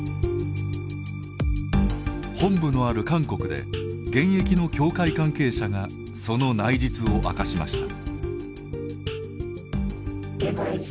本部のある韓国で現役の教会関係者がその内実を明かしました。